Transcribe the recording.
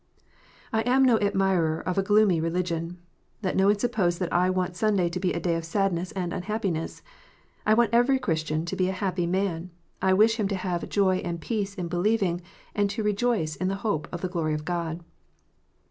I am no admirer of a gloomy religion. Let no one suppose that I want Sunday to be a day of sadness and unhappiness. I want every Christian to be a happy man : I wish him to have "joy and peace in believing," and to "rejoice in hope of the glory of God."